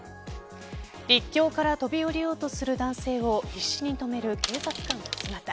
陸橋から飛び降りようとする男性を必死に止める警察官の姿。